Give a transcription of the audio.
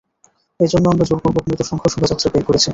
এজন্য আমরা জোরপূর্বক মৃত সংঘ শোভাযাত্রা বের করেছি।